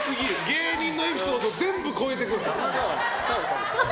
芸人のエピソードを全部超えてくる。